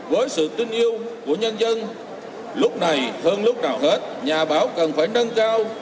với sự tin yêu của nhân dân lúc này hơn lúc nào hết nhà báo cần phải nâng cao